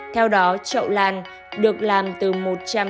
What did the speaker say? theo đó chậu lan được làm từ một trăm chín mươi ba lần